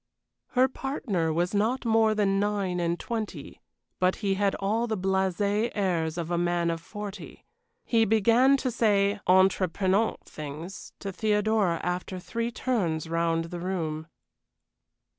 Her partner was not more than nine and twenty; but he had all the blasé airs of a man of forty. He began to say entreprenant things to Theodora after three turns round the room.